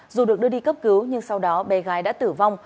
dù được đưa đi cấp cứu nhưng sau đó bé gái đã tử vong